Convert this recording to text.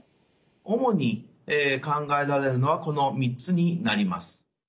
主に考えられるのはこの３つになります。